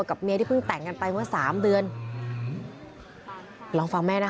เมียที่เพิ่งแต่งกันไปเมื่อสามเดือนลองฟังแม่นะคะ